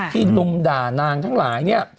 ลุมด่านางทั้งหลายเนี่ย